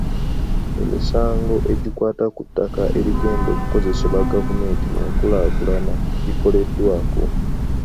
Emisango egikwata ku ttaka erigenda okukozesebwa gavumenti mu nkulaakulana gyakoleddwako.